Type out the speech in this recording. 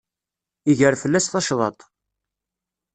Iger fell-as tacḍaḍt.